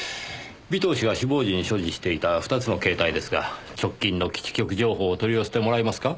尾藤氏が死亡時に所持していた２つの携帯ですが直近の基地局情報を取り寄せてもらえますか？